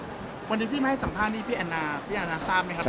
วันเดียวพี่ใหม่สัมภาษณ์นี้พี่แอนาพี่แอนาทราบมั้ยครับ